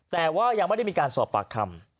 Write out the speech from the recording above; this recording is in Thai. แต่ว่ายังไม่ได้มีการสอบปากคำ